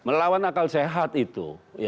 melawan akal sehat itu